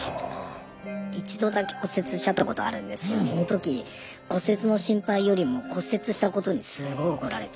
一度だけ骨折しちゃったことあるんですけどその時骨折の心配よりも骨折したことにすごい怒られて。